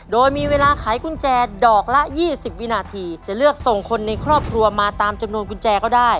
โดยมีเวลาไขกุญแจดอกละ๒๐วินาทีจะเลือกส่งคนในครอบครัวมาตามจำนวนกุญแจก็ได้